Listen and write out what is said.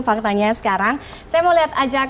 faktanya sekarang saya mau lihat ajak